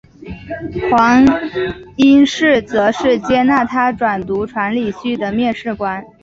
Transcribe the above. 黄应士则是接纳他转读传理系的面试官。